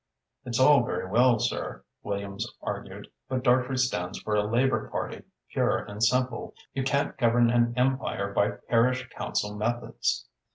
"It's all very well, sir," Williams argued, "but Dartrey stands for a Labour Party, pure and simple. You can't govern an Empire by parish council methods."